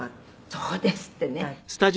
「そうですってね」